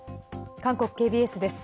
韓国ＫＢＳです。